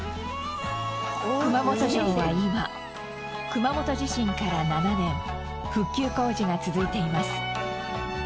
熊本城は今熊本地震から７年復旧工事が続いています。